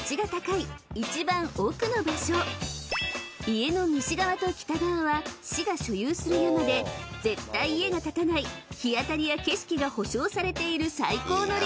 ［家の西側と北側は市が所有する山で絶対家が建たない日当たりや景色が保証されている最高の立地］